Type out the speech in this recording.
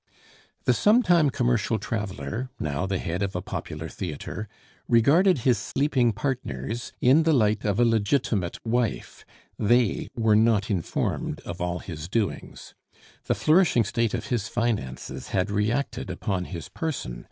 The sometime commercial traveler, now the head of a popular theatre, regarded his sleeping partners in the light of a legitimate wife; they were not informed of all his doings. The flourishing state of his finances had reacted upon his person.